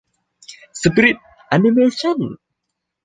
สปิริตแอนิเมชั่น